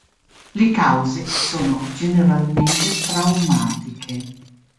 Le cause sono generalmente traumatiche.